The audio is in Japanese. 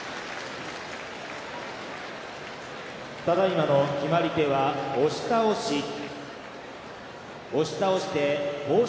ただいまの決まり手は押し倒し。